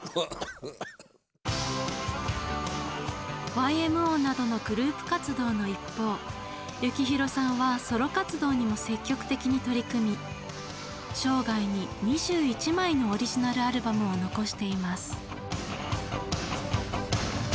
ＹＭＯなどのグループ活動の一方幸宏さんはソロ活動にも積極的に取り組み生涯に２１枚のオリジナルアルバムを残しています。